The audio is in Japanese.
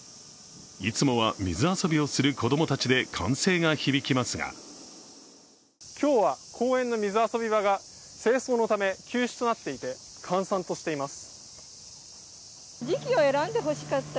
いつもは、水遊びをする子供たちで歓声が響きますが今日は公園の水遊び場が清掃のため休止となっていて閑散としています。